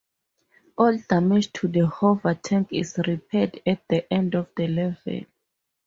All damage to the hovertank is repaired at the end of the level.